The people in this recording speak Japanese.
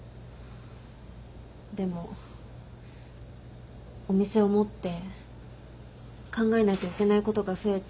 でもお店を持って考えないといけないことが増えて。